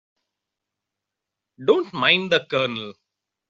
Don't mind the Colonel.